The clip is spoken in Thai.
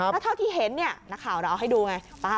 แล้วเท่าที่เห็นเนี่ยนักข่าวเราเอาให้ดูไง